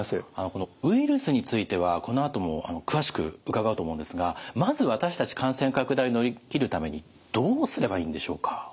このウイルスについてはこのあとも詳しく伺おうと思うんですがまず私たち感染拡大乗り切るためにどうすればいいんでしょうか？